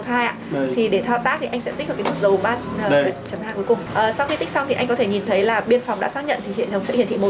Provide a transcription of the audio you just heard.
thì các đơn vị phía bên trong có thể nhìn thấy là anh đã xác nhận cho xe vào cửa khẩu